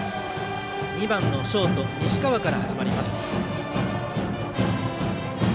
２番のショート西川から始まります。